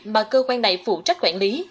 mà cơ quan này phụ trách quản lý